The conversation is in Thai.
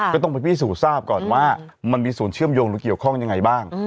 ก็ต้องไปพิสูจน์ทราบก่อนว่ามันมีส่วนเชื่อมโยงหรือเกี่ยวข้องยังไงบ้าง